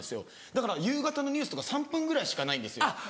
だから夕方のニュースとか３分ぐらいしかないんですよ。